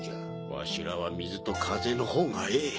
わしらは水と風のほうがええ。